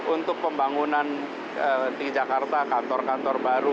untuk pembangunan di jakarta kantor kantor baru